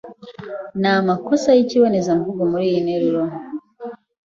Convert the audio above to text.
Nta makosa yikibonezamvugo muriyi nteruro.